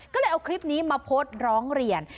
ก็เลยเอาคลิปนี้มาโพสต์ร้องเรียน